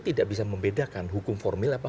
tidak bisa membedakan hukum formil apa